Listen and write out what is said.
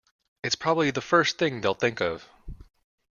It's probably the first thing they'll think of.